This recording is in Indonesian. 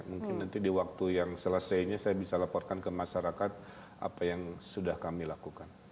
mungkin nanti di waktu yang selesainya saya bisa laporkan ke masyarakat apa yang sudah kami lakukan